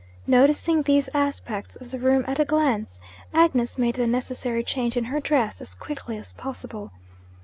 Noticing these aspects of the room at a glance, Agnes made the necessary change in her dress, as quickly as possible.